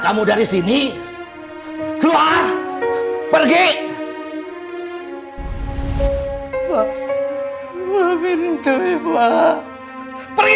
kamu itu tidak mengenal siapa saya cuy